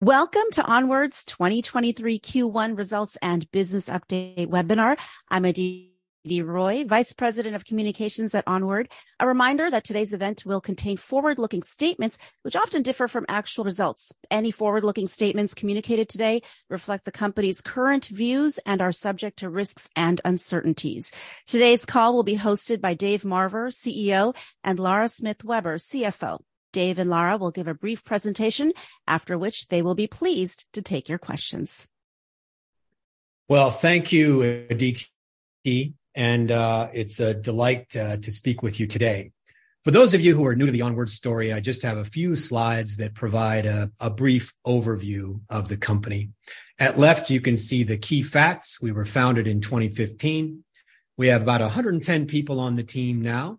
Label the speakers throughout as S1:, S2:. S1: Welcome to Onward's 2023 Q1 results and business update webinar. I'm Aditi Roy, Vice President of Communications at Onward. A reminder that today's event will contain forward-looking statements, which often differ from actual results. Any forward-looking statements communicated today reflect the company's current views and are subject to risks and uncertainties. Today's call will be hosted by Dave Marver, CEO, and Lara Smith Webber, CFO. Dave and Lara will give a brief presentation, after which they will be pleased to take your questions.
S2: Well, thank you, Aditi. It's a delight to speak with you today. For those of you who are new to the Onward story, I just have a few slides that provide a brief overview of the company. At left, you can see the key facts. We were founded in 2015. We have about 110 people on the team now.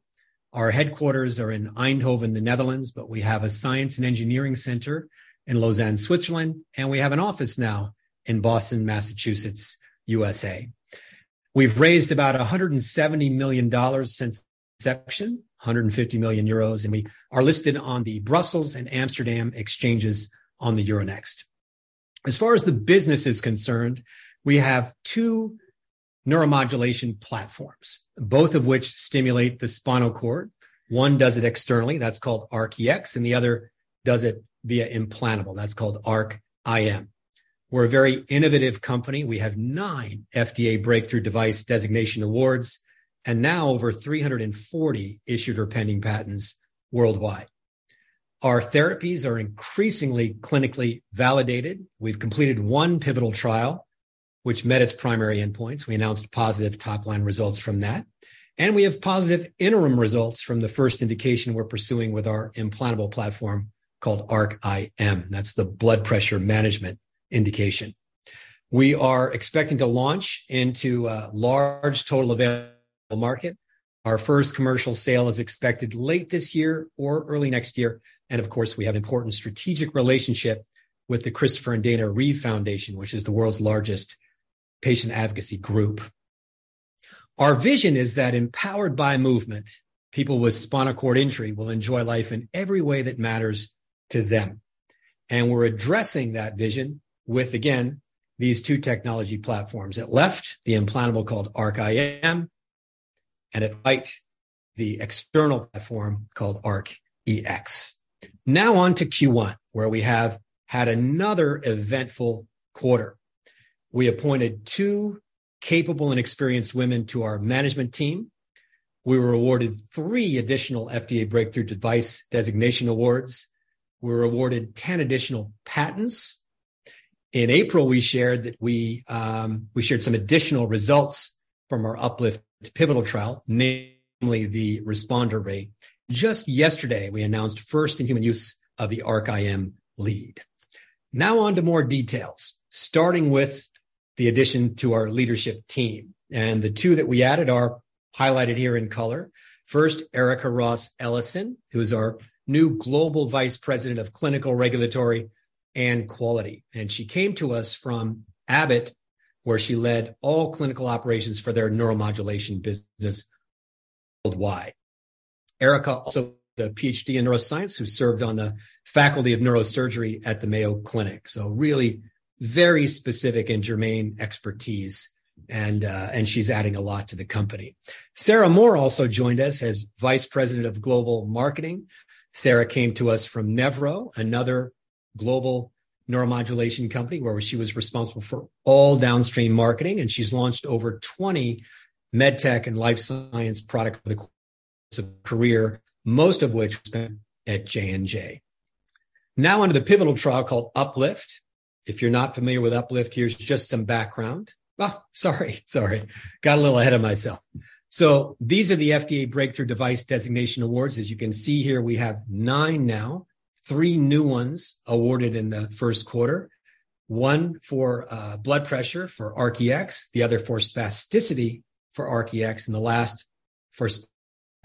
S2: Our headquarters are in Eindhoven, the Netherlands. We have a science and engineering center in Lausanne, Switzerland. We have an office now in Boston, Massachusetts, U.S.A. We've raised about $170 million since inception, 150 million euros, and we are listed on the Brussels and Amsterdam exchanges on the Euronext. As far as the business is concerned, we have two neuromodulation platforms, both of which stimulate the spinal cord. One does it externally, that's called ARC-EX. The other does it via implantable, that's called ARC-IM. We're a very innovative company. We have 9 FDA Breakthrough Device Designation awards. Now over 340 issued or pending patents worldwide. Our therapies are increasingly clinically validated. We've completed one pivotal trial, which met its primary endpoints. We announced positive top-line results from that. We have positive interim results from the first indication we're pursuing with our implantable platform called ARC-IM. That's the blood pressure management indication. We are expecting to launch into a large total available market. Our first commercial sale is expected late this year or early next year. Of course, we have important strategic relationship with the Christopher & Dana Reeve Foundation, which is the world's largest patient advocacy group. Our vision is that empowered by movement, people with spinal cord injury will enjoy life in every way that matters to them. We're addressing that vision with, again, these two technology platforms. At left, the implantable called ARC-IM. At right, the external platform called ARC-EX. On to Q1, where we have had another eventful quarter. We appointed two capable and experienced women to our management team. We were awarded 3 additional FDA Breakthrough Device Designation awards. We were awarded 10 additional patents. In April, we shared some additional results from our UPLIFT pivotal trial, namely the responder rate. Just yesterday, we announced first-in-human use of the ARC-IM Lead. On to more details, starting with the addition to our leadership team. The two that we added are highlighted here in color. First, Erika Ross Ellison, who is our new Global Vice President of Clinical, Regulatory, and Quality. She came to us from Abbott, where she led all clinical operations for their neuromodulation business worldwide. Erika also has a PhD in neuroscience, who served on the faculty of neurosurgery at the Mayo Clinic. Really very specific and germane expertise, and she's adding a lot to the company. Sarah Moore also joined us as Vice President of Global Marketing. Sarah came to we from Nevro, another global neuromodulation company, where she was responsible for all downstream marketing, and she's launched over 20 med tech and life science products over the course of her career, most of which was spent at J&J. Onto the pivotal trial called UPLIFT. If you're not familiar with UPLIFT, here's just some background. Sorry. Got a little ahead of myself. These are the FDA Breakthrough Device Designation awards. As you can see here, we have 9 now. 3 new ones awarded in the first quarter, one for blood pressure for ARC-EX, the other for spasticity for ARC-EX, and the last for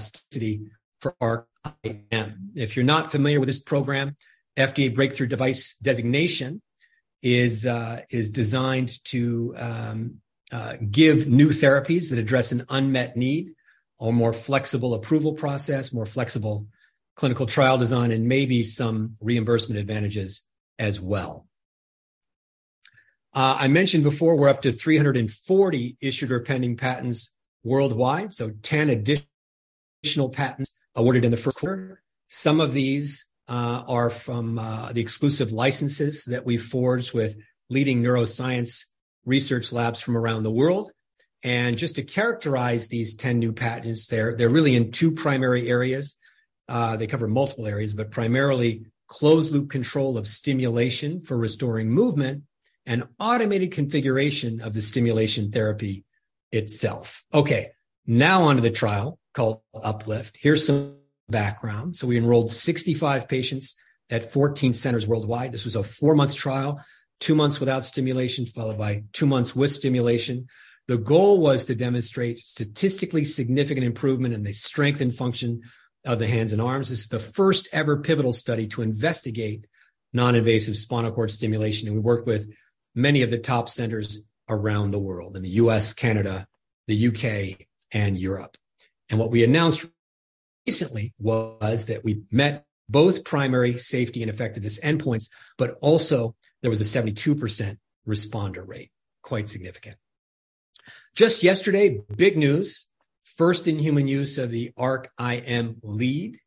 S2: spasticity for ARC-IM. If you're not familiar with this program, FDA Breakthrough Device Designation is designed to give new therapies that address an unmet need, a more flexible approval process, more flexible clinical trial design, and maybe some reimbursement advantages as well. I mentioned before, we're up to 340 issued or pending patents worldwide, 10 additional patents awarded in the first quarter. Some of these are from the exclusive licenses that we forged with leading neuroscience research labs from around the world. Just to characterize these 10 new patents, they're really in 2 primary areas. They cover multiple areas, but primarily closed loop control of stimulation for restoring movement and automated configuration of the stimulation therapy itself. Okay. Onto the trial called UPLIFT. Here's some background. We enrolled 65 patients at 14 centers worldwide. This was a 4-month trial, 2 months without stimulation, followed by 2 months with stimulation. The goal was to demonstrate statistically significant improvement in the strength and function of the hands and arms. This is the first-ever pivotal study to investigate non-invasive spinal cord stimulation, and we worked with many of the top centers around the world in the U.S., Canada, the U.K., and Europe. What we announced recently was that we met both primary safety and effectiveness endpoints, but also there was a 72% responder rate. Quite significant. Just yesterday, big news. First in human use of the ARC-IM Lead.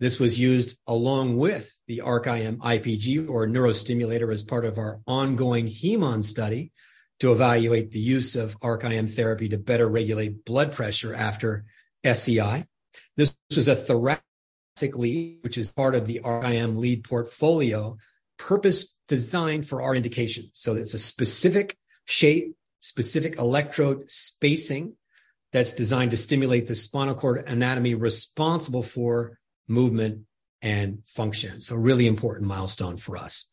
S2: This was used along with the ARC-IM IPG or neurostimulator as part of our ongoing HemON study to evaluate the use of ARC-IM therapy to better regulate blood pressure after SCI. This was a thoracic lead, which is part of the ARC-IM Lead portfolio, purpose-designed for our indication. It's a specific shape, specific electrode spacing that's designed to stimulate the spinal cord anatomy responsible for movement and function. A really important milestone for us.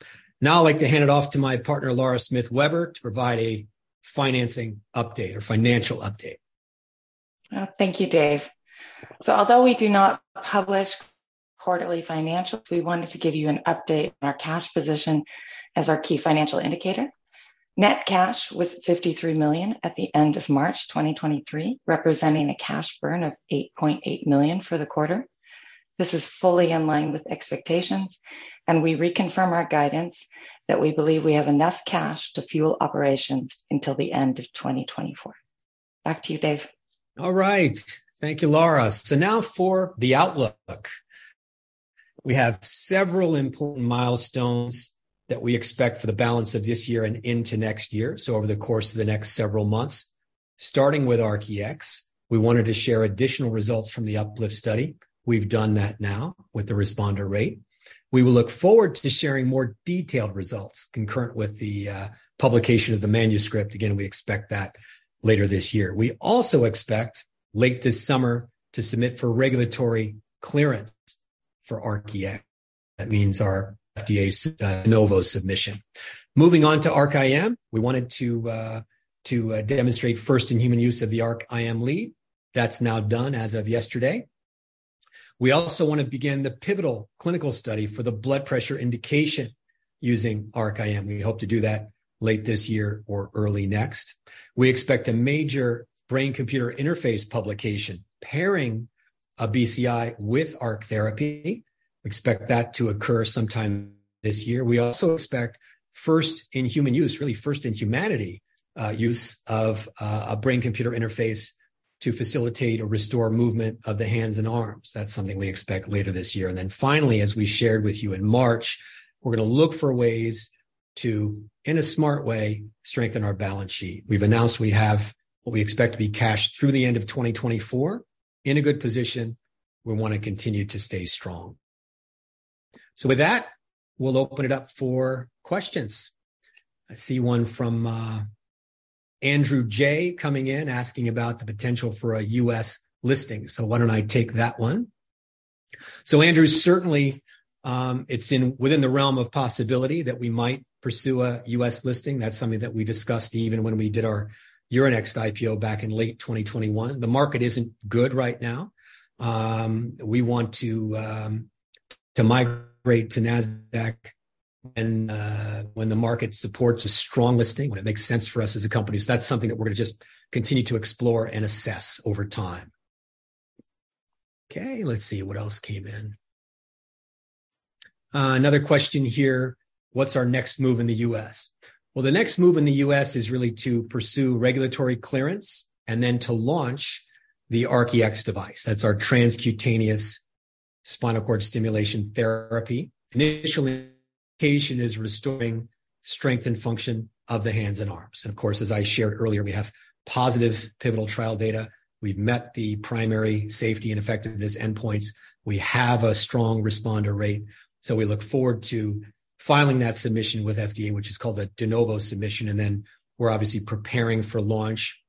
S2: I'd like to hand it off to my partner, Lara Smith Weber, to provide a financing update or financial update.
S3: Thank you, Dave. Although we do not publish quarterly financials, we wanted to give you an update on our cash position as our key financial indicator. Net cash was 53 million at the end of March 2023, representing a cash burn of 8.8 million for the quarter. This is fully in line with expectations, and we reconfirm our guidance that we believe we have enough cash to fuel operations until the end of 2024. Back to you, Dave.
S2: All right. Thank you, Lara. Now for the outlook. We have several important milestones that we expect for the balance of this year and into next year, over the course of the next several months. Starting with ARC-EX, we wanted to share additional results from the UPLIFT study. We've done that now with the responder rate. We will look forward to sharing more detailed results concurrent with the publication of the manuscript. Again, we expect that later this year. We also expect late this summer to submit for regulatory clearance for ARC-EX. That means our FDA De Novo submission. Moving on to ARC-IM, we wanted to demonstrate first in human use of the ARC-IM Lead. That's now done as of yesterday. We also want to begin the pivotal clinical study for the blood pressure indication using ARC-IM. We hope to do that late this year or early next. We expect a major Brain-Computer Interface publication pairing a BCI with ARC therapy. Expect that to occur sometime this year. We also expect first in human use, really first in humanity use of a Brain-Computer Interface to facilitate or restore movement of the hands and arms. That's something we expect later this year. Finally, as we shared with you in March, we're going to look for ways to, in a smart way, strengthen our balance sheet. We've announced we have what we expect to be cash through the end of 2024 in a good position. We want to continue to stay strong. With that, we'll open it up for questions. I see one from Andrew J. coming in, asking about the potential for a U.S. listing. Why don't I take that one? Andrew, certainly, it's within the realm of possibility that we might pursue a U.S. listing. That's something that we discussed even when we did our Euronext IPO back in late 2021. The market isn't good right now. We want to migrate to NASDAQ when the market supports a strong listing, when it makes sense for us as a company. That's something that we're going to just continue to explore and assess over time. Okay, let's see what else came in. Another question here, what's our next move in the U.S.? Well, the next move in the U.S. is really to pursue regulatory clearance and then to launch the ARC-EX device. That's our transcutaneous spinal cord stimulation therapy. Initial indication is restoring strength and function of the hands and arms. Of course, as I shared earlier, we have positive pivotal trial data. We've met the primary safety and effectiveness endpoints. We have a strong responder rate. We look forward to filing that submission with FDA, which is called a De Novo submission. We're obviously preparing for launch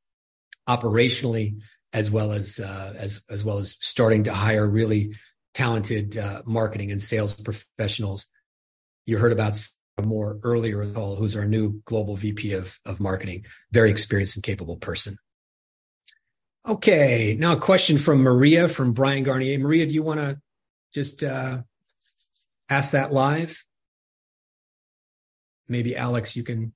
S2: operationally as well as starting to hire really talented Marketing and sales professionals. You heard about Mor earlier in the call, who's our new global VP of Marketing, very experienced and capable person. Now a question from Maria from Bryan Garnier. Maria, do you want to just ask that live? Alex, you can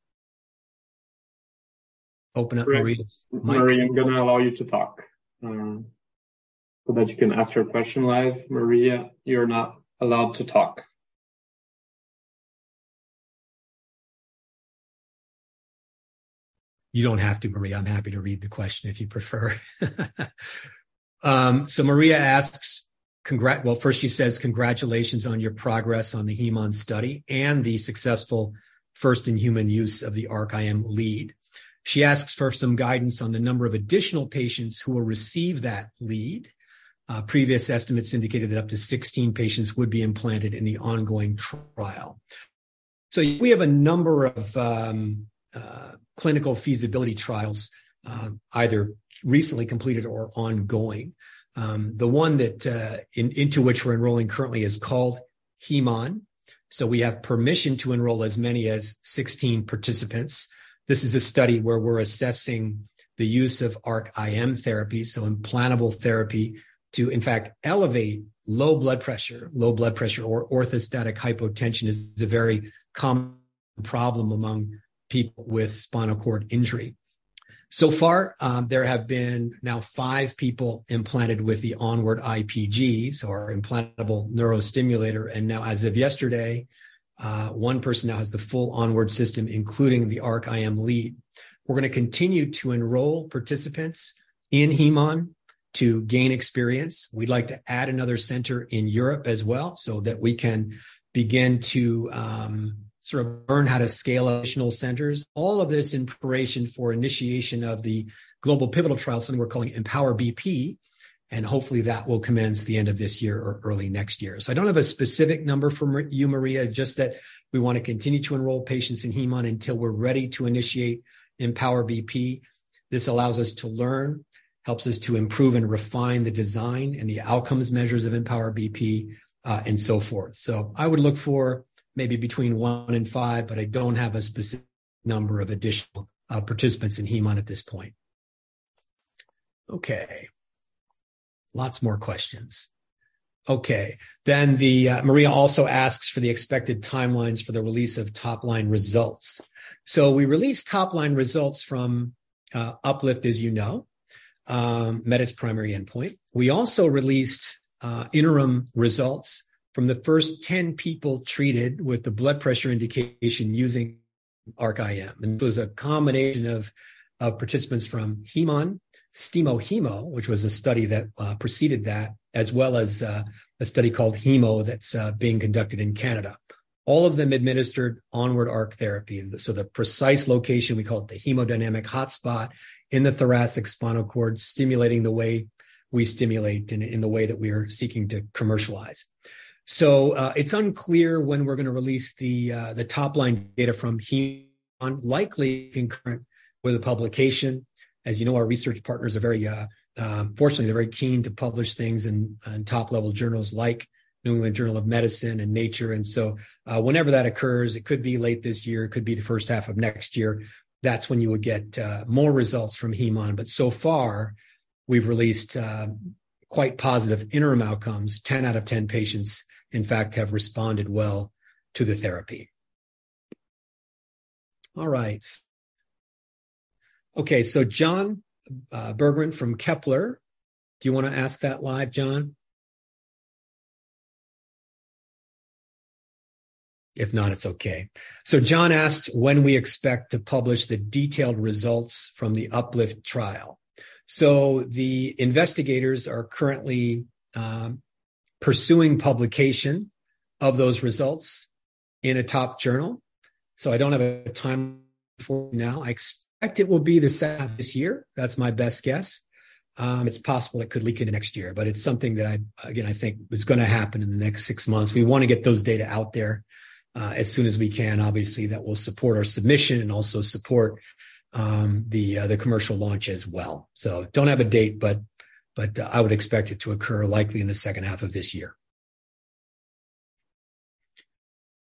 S2: open up Maria's mic.
S4: Maria, I'm going to allow you to talk so that you can ask your question live. Maria, you're not allowed to talk.
S2: You don't have to, Maria. I'm happy to read the question if you prefer. Maria asks, well, first she says, "Congratulations on your progress on the HEMON study and the successful first in human use of the ARC-IM Lead." She asks for some guidance on the number of additional patients who will receive that lead. Previous estimates indicated that up to 16 patients would be implanted in the ongoing trial. We have a number of clinical feasibility trials, either recently completed or ongoing. The one into which we're enrolling currently is called HEMON. We have permission to enroll as many as 16 participants. This is a study where we're assessing the use of ARC-IM therapy, implantable therapy, to in fact elevate low blood pressure. Low blood pressure or orthostatic hypotension is a very common problem among people with spinal cord injury. So far, there have been now five people implanted with the Onward IPG, our implantable neurostimulator. Now, as of yesterday, one person now has the full Onward system, including the ARC-IM Lead. We're going to continue to enroll participants in HEMON to gain experience. We'd like to add another center in Europe as well, so that we can begin to learn how to scale additional centers. All of this in preparation for initiation of the global pivotal trial, something we're calling Empower BP, and hopefully that will commence the end of this year or early next year. I don't have a specific number for you, Maria, just that we want to continue to enroll patients in HEMON until we're ready to initiate Empower BP. This allows us to learn, helps us to improve and refine the design and the outcomes measures of Empower BP, and so forth. I would look for maybe between one and five, but I don't have a specific number of additional participants in HemON at this point. Okay. Lots more questions. Okay. Maria also asks for the expected timelines for the release of top-line results. We released top-line results from UPLIFT, as you know. Met its primary endpoint. We also released interim results from the first 10 people treated with the blood pressure indication using ARC-IM. It was a combination of participants from HemON, STIMO-HEMO, which was a study that preceded that, as well as a study called HEMO that's being conducted in Canada. All of them administered Onward ARC therapy. The precise location, we call it the hemodynamic hotspot in the thoracic spinal cord, stimulating the way we stimulate and in the way that we are seeking to commercialize. It's unclear when we're going to release the top-line data from HemON, likely concurrent with a publication. As you know, our research partners are very, fortunately, they're very keen to publish things in top-level journals like New England Journal of Medicine and Nature. Whenever that occurs, it could be late this year, it could be the first half of next year, that's when you would get more results from HemON. So far, we've released quite positive interim outcomes. 10 out of 10 patients, in fact, have responded well to the therapy. All right. Okay, John Bergman from Kepler. Do you want to ask that live, John? If not, it's okay. John asked when we expect to publish the detailed results from the UPLIFT trial. The investigators are currently pursuing publication of those results in a top journal. I don't have a timeline for now. I expect it will be this half this year. That's my best guess. It's possible it could leak into next year, but it's something that I, again, I think is going to happen in the next six months. We want to get those data out there as soon as we can. Obviously, that will support our submission and also support the commercial launch as well. Don't have a date, but I would expect it to occur likely in the second half of this year.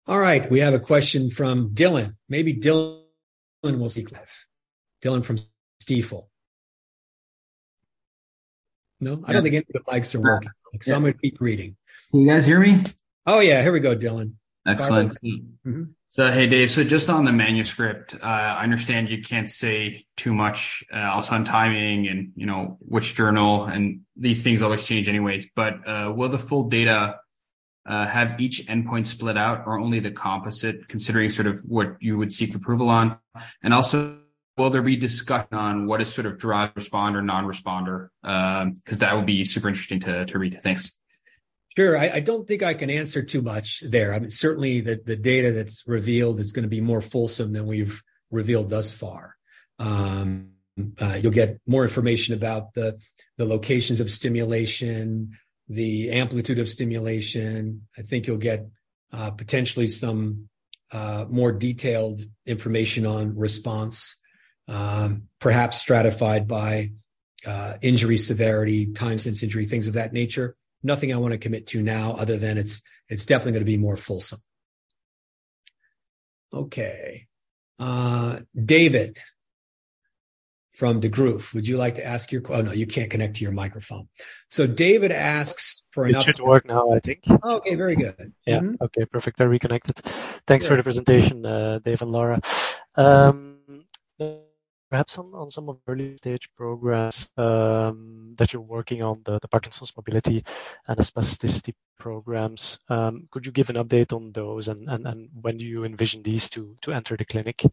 S2: All right. We have a question from Dylan. Maybe Dylan will speak live. Dylan from Stifel. No? I don't think anybody likes to read. Some are keep reading.
S5: Can you guys hear me?
S2: Oh, yeah. Here we go, Dylan.
S5: Excellent. Hey, Dave. Just on the manuscript, I understand you can't say too much also on timing and which journal, these things always change anyways. Will the full data have each endpoint split out or only the composite, considering sort of what you would seek approval on? Also, will there be discussion on what is sort of driver responder, non-responder? That would be super interesting to read. Thanks.
S2: Sure. I don't think I can answer too much there. Certainly, the data that's revealed is going to be more fulsome than we've revealed thus far. You'll get more information about the locations of stimulation, the amplitude of stimulation. I think you'll get potentially some more detailed information on response, perhaps stratified by injury severity, time since injury, things of that nature. Nothing I want to commit to now other than it's definitely going to be more fulsome. Okay. David from Degroof, would you like to ask your? Oh, no, you can't connect to your microphone. David asks for an update.
S6: It should work now, I think.
S2: Okay, very good.
S6: Yeah. Okay, perfect. I reconnected.
S2: There you go.
S6: Thanks for the presentation, Dave and Lara. Perhaps on some of the early-stage programs that you're working on, the Parkinson's mobility and the spasticity programs. Could you give an update on those and when do you envision these to enter the clinic?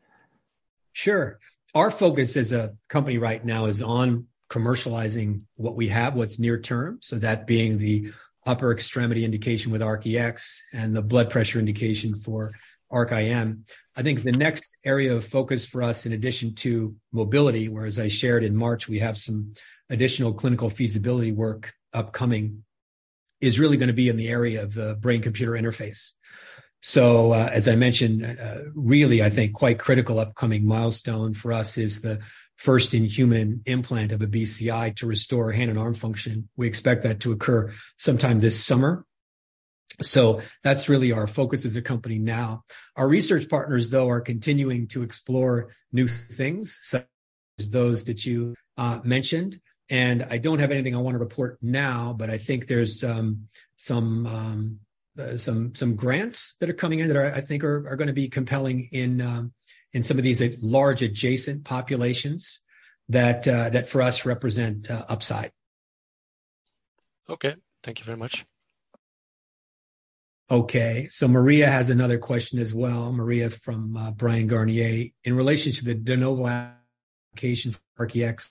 S2: Sure. Our focus as a company right now is on commercializing what we have, what's near term. That being the upper extremity indication with ARC-EX and the blood pressure indication for ARC-IM. I think the next area of focus for us, in addition to mobility, where as I shared in March, we have some additional clinical feasibility work upcoming, is really going to be in the area of Brain-Computer Interface. As I mentioned, really, I think quite critical upcoming milestone for us is the first in-human implant of a BCI to restore hand and arm function. We expect that to occur sometime this summer. That's really our focus as a company now. Our research partners, though, are continuing to explore new things, such as those that you mentioned. I don't have anything I want to report now, but I think there's some grants that are coming in that I think are going to be compelling in some of these large adjacent populations that, for us, represent upside.
S6: Okay. Thank you very much.
S2: Okay, Maria has another question as well. Maria from Bryan Garnier. In relation to the De Novo application for ARC-EX,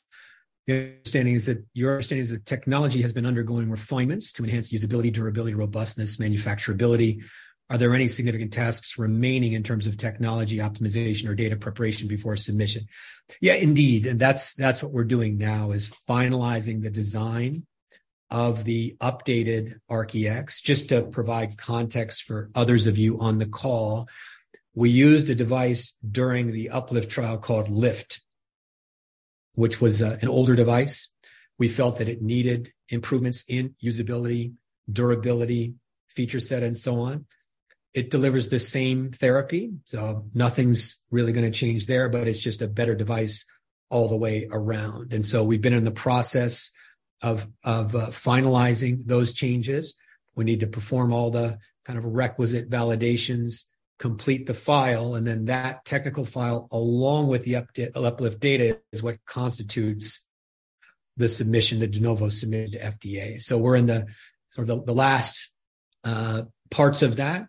S2: your understanding is that technology has been undergoing refinements to enhance usability, durability, robustness, manufacturability. Are there any significant tasks remaining in terms of technology optimization or data preparation before submission? That's what we're doing now is finalizing the design of the updated ARC-EX. Just to provide context for others of you on the call, we used a device during the UPLIFT trial called LIFT, which was an older device. We felt that it needed improvements in usability, durability, feature set, and so on. It delivers the same therapy, so nothing's really going to change there, but it's just a better device all the way around. We've been in the process of finalizing those changes. That technical file, along with the UPLIFT data, is what constitutes the submission that De Novo submitted to FDA. We're in the sort of the last parts of that,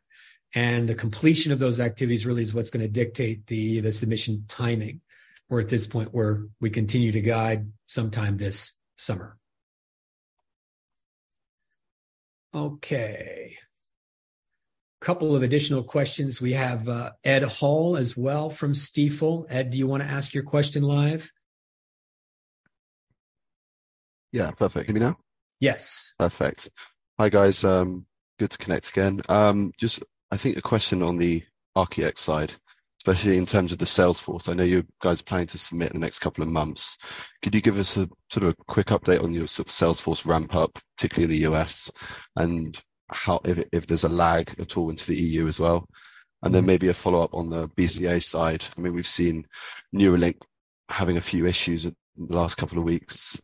S2: and the completion of those activities really is what's going to dictate the submission timing, or at this point, where we continue to guide sometime this summer. Okay. Couple of additional questions we have. Edward Hall as well from Stifel. Ed, do you want to ask your question live?
S7: Yeah. Perfect. Can you hear me now?
S2: Yes.
S7: Perfect. Hi, guys. Good to connect again. Just, I think a question on the ARC-EX side, especially in terms of the sales force. I know you guys are planning to submit in the next couple of months. Could you give us a sort of quick update on your sort of sales force ramp-up, particularly in the U.S., and if there's a lag at all into the EU as well? Maybe a follow-up on the BCI side. I mean, we've seen Neuralink having a few issues the last couple of weeks.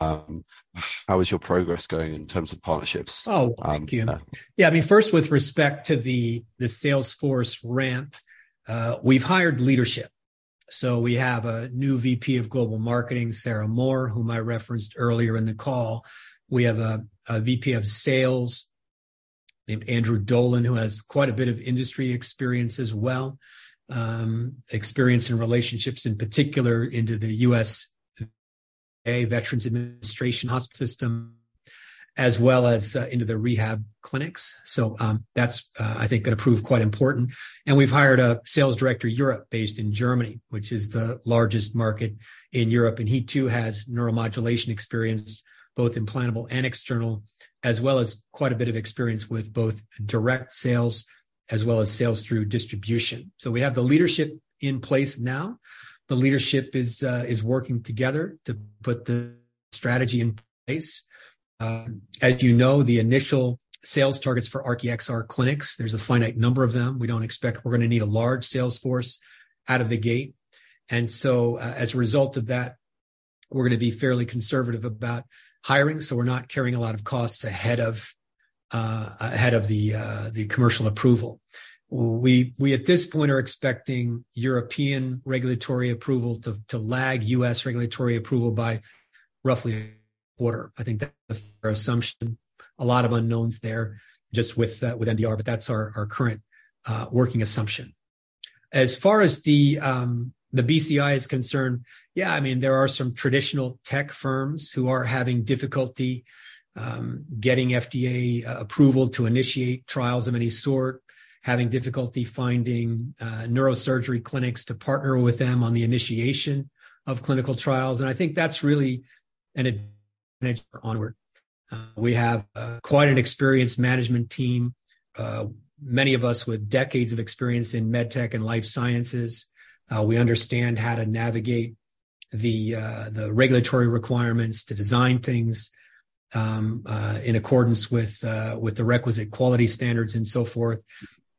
S7: How is your progress going in terms of partnerships?
S2: Oh, thank you.
S7: Yeah.
S2: Yeah. I mean, first, with respect to the sales force ramp, we've hired leadership. We have a new VP of Global Marketing, Sarah Moore, whom I referenced earlier in the call. We have a VP of sales named Andrew Dolan, who has quite a bit of industry experience as well, experience in relationships, in particular, into the U.S. Veterans Administration hospital system, as well as into the rehab clinics. That's, I think, going to prove quite important. We've hired a sales director, Europe, based in Germany, which is the largest market in Europe, and he too has neuromodulation experience, both implantable and external, as well as quite a bit of experience with both direct sales as well as sales through distribution. We have the leadership in place now. The leadership is working together to put the strategy in place. As you know, the initial sales targets for ARC-EX are clinics. There's a finite number of them. We don't expect we're going to need a large sales force out of the gate. As a result of that, we're going to be fairly conservative about hiring, so we're not carrying a lot of costs ahead of the commercial approval. We, at this point, are expecting European regulatory approval to lag U.S. regulatory approval by roughly one quarter. I think that's a fair assumption. A lot of unknowns there just with MDR, but that's our current working assumption. As far as the BCI is concerned, yeah, there are some traditional tech firms who are having difficulty getting FDA approval to initiate trials of any sort, having difficulty finding neurosurgery clinics to partner with them on the initiation of clinical trials, and I think that's really an advantage for Onward. We have quite an experienced management team, many of us with decades of experience in med tech and life sciences. We understand how to navigate the regulatory requirements to design things in accordance with the requisite quality standards and so forth.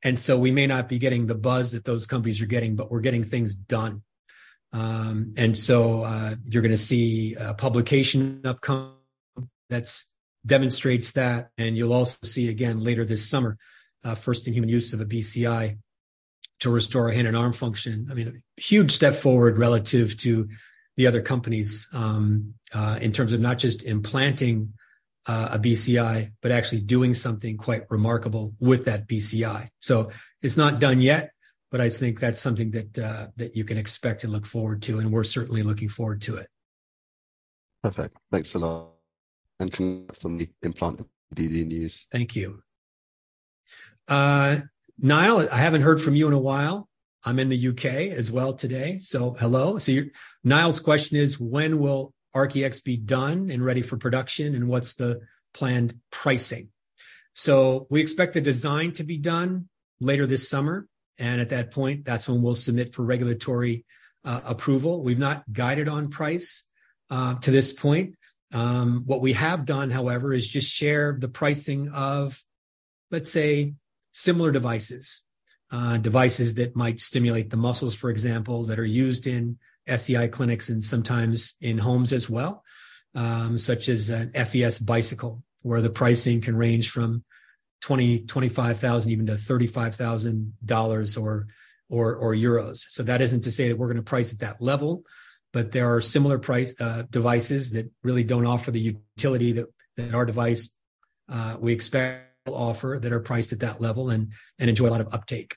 S2: We may not be getting the buzz that those companies are getting, but we're getting things done. You're going to see a publication upcoming that demonstrates that, and you'll also see again later this summer, first in human use of a BCI to restore hand and arm function. I mean, a huge step forward relative to the other companies, in terms of not just implanting a BCI, but actually doing something quite remarkable with that BCI. It's not done yet, but I think that's something that you can expect and look forward to, and we're certainly looking forward to it.
S7: Perfect. Thanks a lot. Congrats on the implant news.
S2: Thank you. Niall, I haven't heard from you in a while. I'm in the U.K. as well today, hello. Niall's question is, when will ARC-EX be done and ready for production, what's the planned pricing? We expect the design to be done later this summer. At that point, that's when we'll submit for regulatory approval. We've not guided on price to this point. What we have done, however, is just share the pricing of, let's say, similar devices that might stimulate the muscles, for example, that are used in SCI clinics and sometimes in homes as well, such as an FES bicycle, where the pricing can range from 20,000, 25,000 even to EUR 35,000 or euros. That isn't to say that we're going to price at that level, but there are similar price devices that really don't offer the utility that our device we expect will offer, that are priced at that level and enjoy a lot of uptake.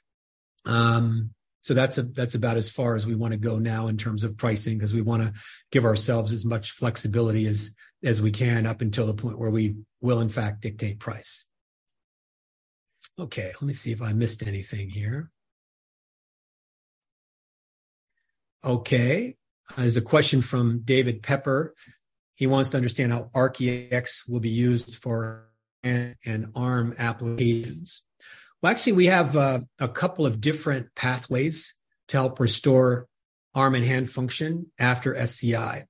S2: That's about as far as we want to go now in terms of pricing, because we want to give ourselves as much flexibility as we can up until the point where we will in fact dictate price. Okay. Let me see if I missed anything here. Okay. There's a question from David Pepper. He wants to understand how ARC-EX will be used for hand and arm applications. Well, actually, we have a couple of different pathways to help restore arm and hand function after SCI.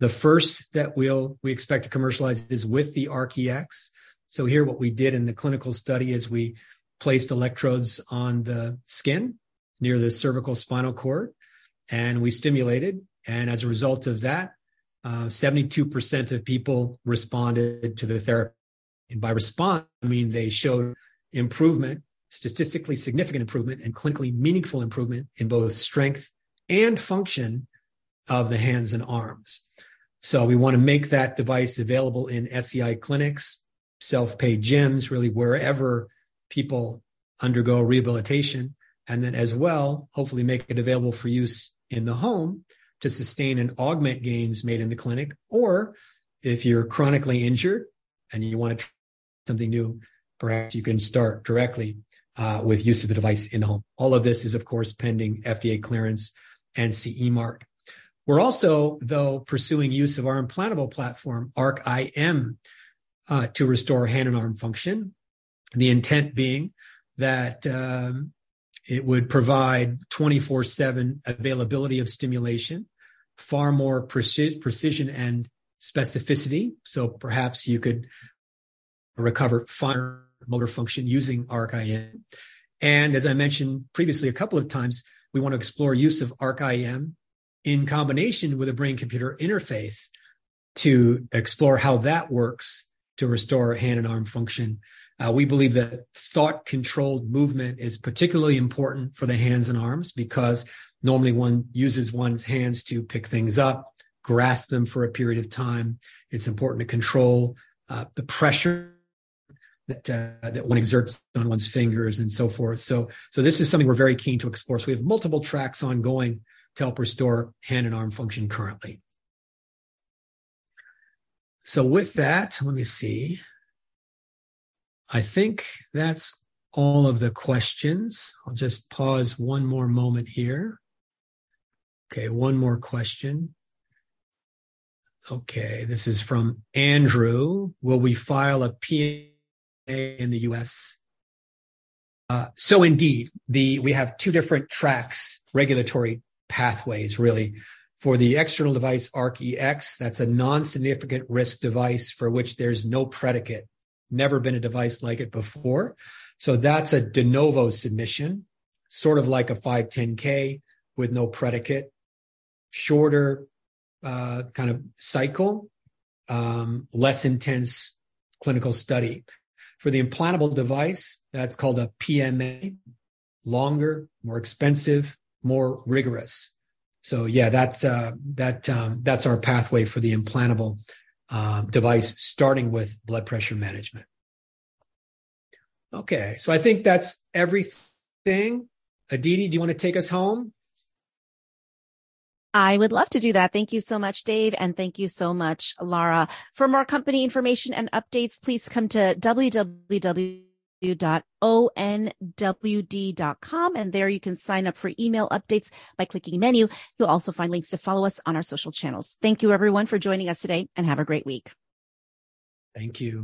S2: The first that we expect to commercialize is with the ARC-EX. Here, what we did in the clinical study is we placed electrodes on the skin near the cervical spinal cord, and we stimulated. As a result of that, 72% of people responded to the therapy. By respond, I mean they showed improvement, statistically significant improvement, and clinically meaningful improvement in both strength and function of the hands and arms. We want to make that device available in SCI clinics, self-pay gyms, really wherever people undergo rehabilitation, and then as well, hopefully make it available for use in the home to sustain and augment gains made in the clinic. Or if you're chronically injured and you want to try something new, perhaps you can start directly with use of the device in the home. All of this is, of course, pending FDA clearance and CE mark. We're also, though, pursuing use of our implantable platform, ARC-IM, to restore hand and arm function, the intent being that it would provide 24/7 availability of stimulation, far more precision and specificity, so perhaps you could recover finer motor function using ARC-IM. As I mentioned previously a couple of times, we want to explore use of ARC-IM in combination with a Brain-Computer Interface to explore how that works to restore hand and arm function. We believe that thought-controlled movement is particularly important for the hands and arms because normally one uses one's hands to pick things up, grasp them for a period of time. It's important to control the pressure that one exerts on one's fingers and so forth. This is something we're very keen to explore. We have multiple tracks ongoing to help restore hand and arm function currently. With that, let me see. I think that's all of the questions. I'll just pause one more moment here. Okay, one more question. Okay, this is from Andrew. Will we file a PMA in the U.S.? Indeed, we have two different tracks, regulatory pathways really. For the external device, ARC-EX, that's a non-significant risk device for which there's no predicate. Never been a device like it before. That's a De Novo submission, sort of like a 510 with no predicate, shorter kind of cycle, less intense clinical study. For the implantable device, that's called a PMA, longer, more expensive, more rigorous. Yeah, that's our pathway for the implantable device, starting with blood pressure management. Okay, so I think that's everything. Aditi, do you want to take us home?
S1: I would love to do that. Thank you so much, Dave, and thank you so much, Laura. For more company information and updates, please come to onwd.com. There you can sign up for email updates by clicking Menu. You'll also find links to follow us on our social channels. Thank you everyone for joining us today, have a great week.
S2: Thank you.